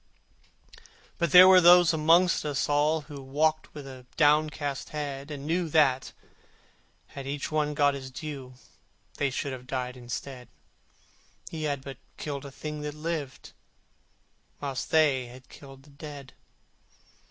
But there were those amongst us all Who walked with downcast head, And knew that, had each got his due, They should have died instead: He had but killed a thing that lived, Whilst they had killed the dead.